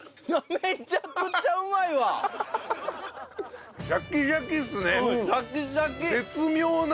めちゃくちゃうまいや。